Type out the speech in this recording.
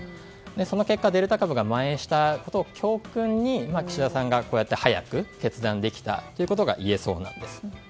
その結果、デルタ株がまん延したことを教訓に岸田さんが早く決断できたということがいえそうです。